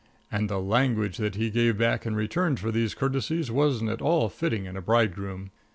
And the language that he gave back in return for these courtesies wasn't at all fitting in a bridegroom.